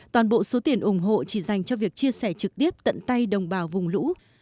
toàn bộ số tiền ủng hộ chỉ dành cho việc chia sẻ trực tiếp tận tay đồng bào vùng lũ